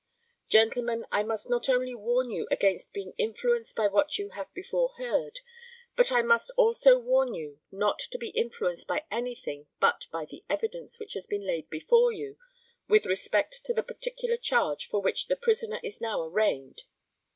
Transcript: Gentlemen, I must not only warn you against being influenced by what you have before heard, but I must also warn you not to be influenced by anything but by the evidence which has been laid before you with respect to the particular charge for which the prisoner is now arraigned.